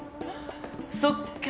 そっか。